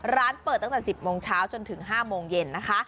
ร้านเปิดตั้งแต่๑๐โมงเช้าจนถึง๕โมงเย็นนะคะ